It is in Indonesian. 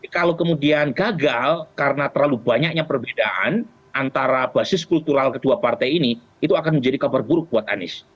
kalau kemudian gagal karena terlalu banyaknya perbedaan antara basis kultural kedua partai ini itu akan menjadi kabar buruk buat anies